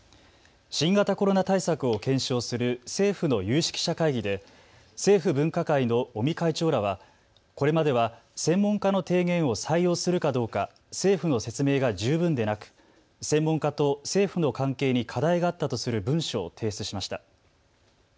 新型コロナ対策を検証する政府の有識者会議で政府分科会の尾身会長らはこれまでは専門家の提言を採用するかどうか政府の説明が十分でなく専門家と政府の関係に課題があったとする文書を提出しました。